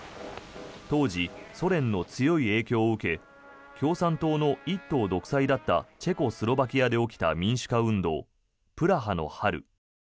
当時、ソ連の強い影響を受け共産党の一党独裁だったチェコスロバキアで起きた民主化運動、プラハの春。